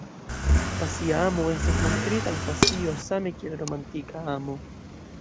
Pasia amo estas montrita en pasio same kiel romantika amo.